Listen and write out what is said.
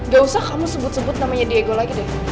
gak usah kamu sebut sebut namanya diego lagi deh